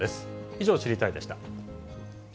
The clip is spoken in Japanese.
以上、知りたいッ！でした。